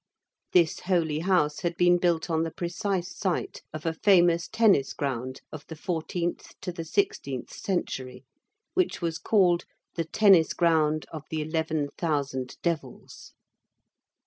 This holy house had been built on the precise site of a famous tennis ground of the fourteenth to the sixteenth century, which was called the "tennis ground of the eleven thousand devils."